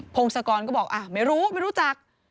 พงศกรก็บอกไม่รู้ไม่รู้จัก